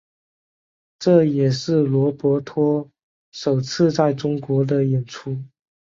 这也是罗伯托首次在中国的演出。